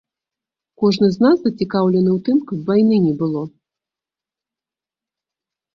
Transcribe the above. Кожны з нас зацікаўлены ў тым, каб вайны не было.